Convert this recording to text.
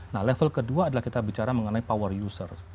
nah level kedua adalah kita bicara mengenai power user